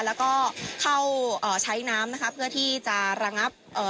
แล้วก็เข้าเอ่อใช้น้ำนะคะเพื่อที่จะระงับเอ่อ